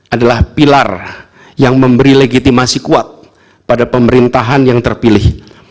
adalah pilar yang memberi legitimasi kuat pada pemerintahan yang terpilih